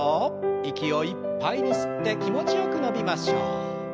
息をいっぱいに吸って気持ちよく伸びましょう。